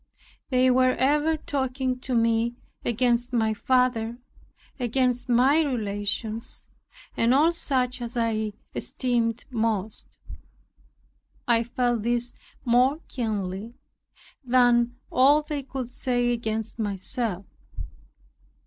They were ever talking to me against my father, against my relations, and all such as I esteemed most. I felt this more keenly than all they could say against myself.